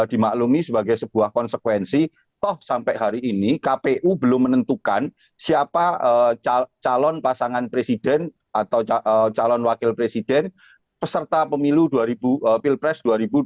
dimaklumi sebagai sebuah konsekuensi toh sampai hari ini kpu belum menentukan siapa calon pasangan presiden atau calon wakil presiden peserta pemilu pilpres dua ribu dua puluh